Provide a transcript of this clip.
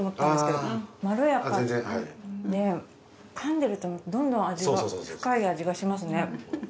噛んでるとどんどん味が深い味がしますね。